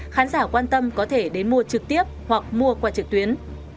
khán giả quan tâm có thể đến mua trực tiếp hoặc mua qua trực tuyến